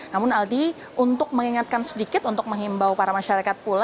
namun aldi untuk mengingatkan sedikit untuk menghimbau para masyarakat pula